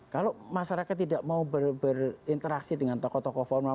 kalau masyarakat tidak mau berinteraksi dengan tokoh tokoh formal